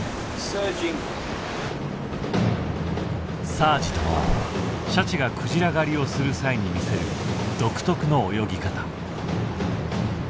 サージとはシャチがクジラ狩りをする際に見せる独特の泳ぎ方。